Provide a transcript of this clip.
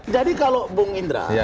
jadi kalau bung indra